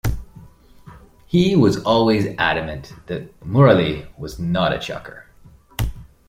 He was always adamant that Murali was not a chucker.